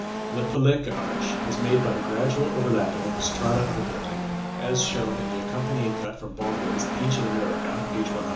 The Palenque arch is made by the gradual overlapping of the strata of the building, as shown in the accompanying cut from Baldwin's "Ancient America," page 100.